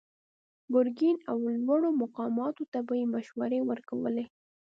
ګرګين او لوړو مقاماتو ته به يې مشورې ورکولې.